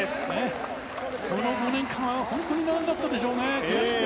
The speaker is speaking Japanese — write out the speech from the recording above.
この５年間は本当に長かったでしょうね。